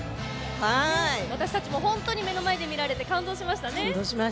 私たちも目の前で見られて感動しましたね。